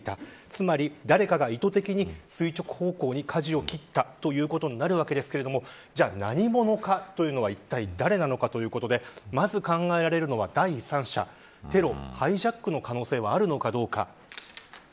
つまり、誰かが意図的に垂直方向に、かじを切ったということになるわけですが何者かというのはいったい誰なのかということでまず考えられるのは第３者テロ、ハイジャックの可能性はあるのかどうか。